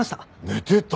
寝てた？